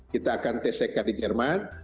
kita akan tck di jerman